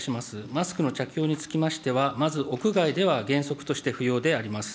マスクの着用につきましては、まず屋外では原則として不要であります。